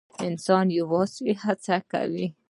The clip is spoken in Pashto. انسان یوازې هڅه کوي